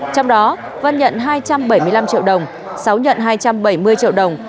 trong đó vân nhận hai trăm bảy mươi năm triệu đồng sáu nhận hai trăm bảy mươi triệu đồng